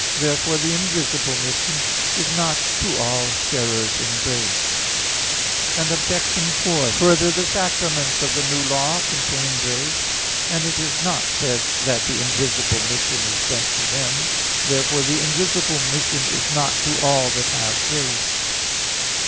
Therefore the invisible mission is not to all sharers in grace. Obj. 4: Further, the Sacraments of the New Law contain grace, and it is not said that the invisible mission is sent to them. Therefore the invisible mission is not to all that have grace.